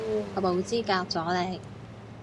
我冇資格阻你